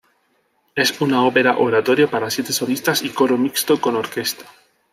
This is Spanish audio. Es una ópera-oratorio para siete solistas y coro mixto con orquesta.